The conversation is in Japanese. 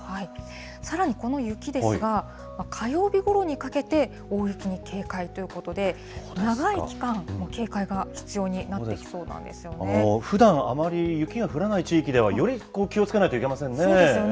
さらにこの雪ですが、火曜日ごろにかけて、大雪に警戒ということで、長い期間、警戒が必要になっふだん、あまり雪が降らない地域では、より気をつけないといけませんね。